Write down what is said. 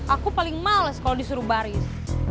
aku paling males kalau disuruh baris